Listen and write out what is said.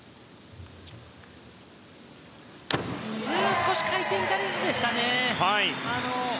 少し回転足りずでしたね。